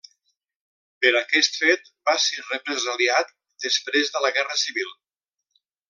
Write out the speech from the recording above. Per aquest fet va ser represaliat després de la Guerra Civil.